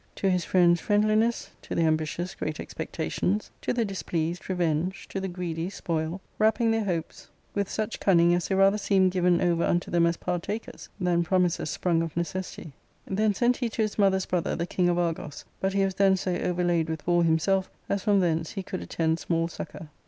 To his friends, friendliness ; to the ambitious, great expectations ; to the displeased, re ^^venge ; to the greedy, spoil ; wrapping their hopes with such X^^unning as they rather seemed given over unto them as v* partakers than promises sprung of necessity. Then sent he ^^ to his mother's brother the king of Argos, but he was then so over laid with war himself as from thence he could attend small succour.